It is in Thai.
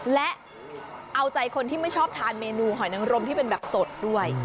และเอาใจคนที่ไม่ชอบทานเมนูหอยนังรมที่เป็นแบบสดด้วย